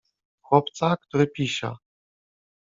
Chłopca, który pisia.